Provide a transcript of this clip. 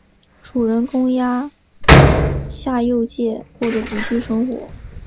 主人公鸭下佑介过着独居生活。